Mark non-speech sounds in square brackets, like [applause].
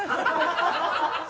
ハハハ [laughs]